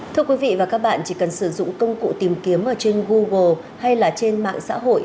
thưa quý vị và các bạn chỉ cần sử dụng công cụ tìm kiếm ở trên google hay là trên mạng xã hội